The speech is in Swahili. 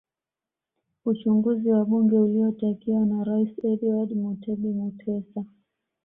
Uchunguzi wa bunge uliotakiwa na Rais Edward Mutebi Mutesa